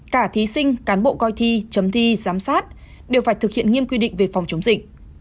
cả thí sinh cán bộ coi thi chấm thi giám sát đều phải thực hiện nghiêm quy định về phòng chống dịch